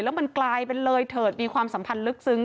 แล้วมันกลายเป็นเลยเถิดมีความสัมพันธ์ลึกซึ้ง